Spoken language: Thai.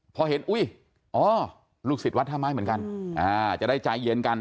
พอเห็นอุ้ยอ๋อลูกศิษย์วัดท่าไม้เหมือนกันจะได้ใจเย็นกัน